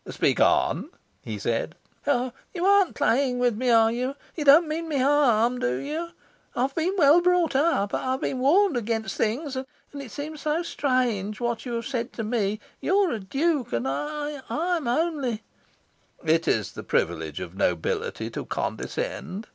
"Speak on," he said. "Oh you aren't playing with me, are you? You don't mean me harm, do you? I have been well brought up. I have been warned against things. And it seems so strange, what you have said to me. You are a Duke, and I I am only " "It is the privilege of nobility to condescend."